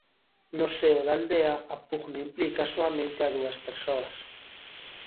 No seo da aldea, a pugna implica soamente a dúas persoas.